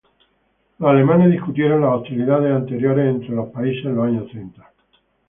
Los alemanes discutieron las hostilidades anteriores entre los países en los años treinta.